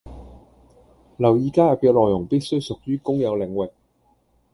留意加入嘅內容必須屬於公有領域